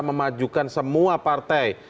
memajukan semua partai